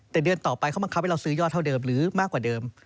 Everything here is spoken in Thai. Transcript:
แต่เดือนต่อไปเขาบังคับให้เราซื้อยอดเท่าเดิมหรือมากกว่าเดิม